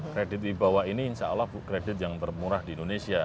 kredit di bawah ini insya allah kredit yang termurah di indonesia